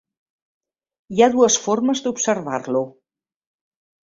Hi ha dues formes d"observar-lo.